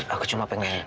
aku cuma pengen